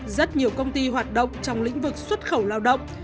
rất nhiều công ty hoạt động trong lĩnh vực xuất khẩu lao động